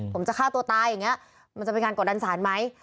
ผมจะฆ่าตัวตายอย่างนี้มันจะเป็นการกดดันสารไหม